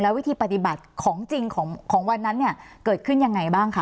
วิธีปฏิบัติของจริงของวันนั้นเนี่ยเกิดขึ้นยังไงบ้างคะ